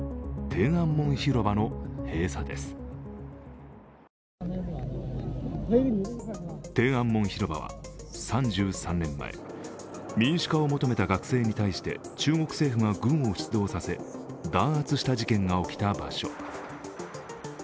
天安門広場は３３年前民主化を求めた学生に対して中国政府が軍を出動させ弾圧した事件が起きた場所。